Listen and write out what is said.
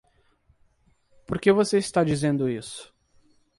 Por que você está dizendo isso?